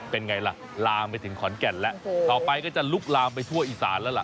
แต่ว่าจริงถ้าใหญ่สาขาวมันจะดี